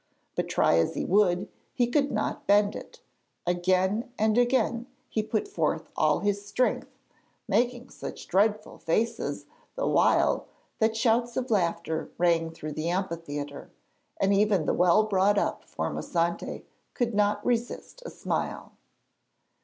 But try as he would, he could not bend it; again and again he put forth all his strength, making such dreadful faces the while that shouts of laughter rang through the amphitheatre, and even the well brought up Formosante could not resist a smile.